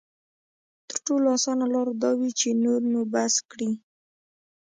تر ټولو اسانه لاره دا وي چې نور نو بس کړي.